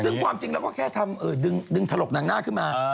ซึ่งความจริงแล้วก็แค่ทำดึงถลกนางหน้าขึ้นมา